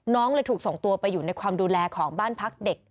เลยถูกส่งตัวไปอยู่ในความดูแลของบ้านพักเด็ก